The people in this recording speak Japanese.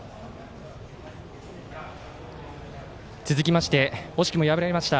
続きまして惜しくも敗れました。